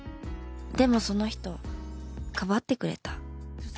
でもその人かばってくれた。